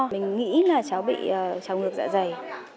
mình nghĩ là cháu bị cháu ngược dạ dày